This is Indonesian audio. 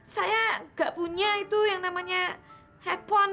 saya nggak punya itu yang namanya handphone